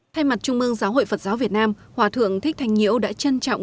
thay mặt trung ương giáo hội phật giáo việt nam hòa thượng thích thanh nhiễu đã trân trọng